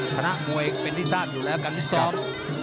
คณะมวยเป็นที่ซ่าดอยู่แล้วกันที่ซ้อม